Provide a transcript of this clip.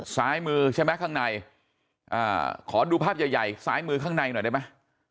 ซ้ายมือใช่ไหมข้างในขอดูภาพใหญ่ใหญ่ซ้ายมือข้างในหน่อยได้ไหม